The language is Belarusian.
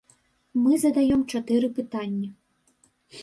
Мы задаём чатыры пытанні.